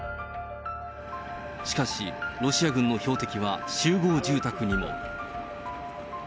しかし、ロシア軍の標的は集合住宅にも。